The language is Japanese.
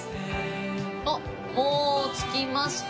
あっもう着きました。